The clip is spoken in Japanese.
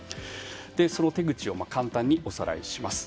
その手口を簡単におさらいします。